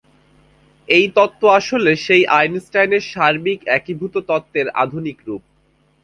এ তত্ত্ব আসলে সেই আইনস্টাইনের সার্বিক একীভূত তত্ত্বের আধুনিক রূপ।